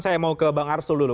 saya mau ke bang arsul dulu